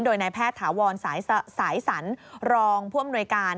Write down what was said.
โดยในแพทย์ถาวรสายสรรค์รองพ่วงเนวยการ